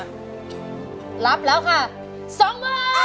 ขอบคุณทุกคน